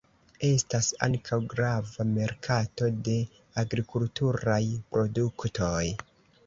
Estas ankaŭ grava merkato de agrikulturaj produktoj.